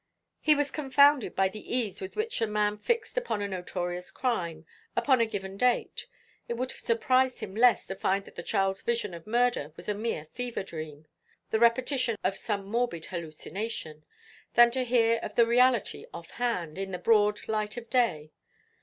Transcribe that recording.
He was confounded by the ease with which the man fixed upon a notorious crime, upon a given date. It would have surprised him less to find that the child's vision of murder was a mere fever dream the repetition of some morbid hallucination than to hear of the reality off hand, in the broad light of day.